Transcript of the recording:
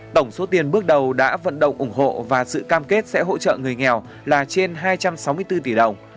tổng số tiền bước đầu đã vận động ủng hộ và sự cam kết sẽ hỗ trợ người nghèo là trên hai trăm sáu mươi bốn tỷ đồng